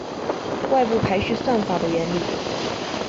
外部排序算法的原理